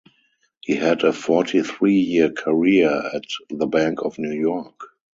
He had a forty-three-year career at The Bank of New York.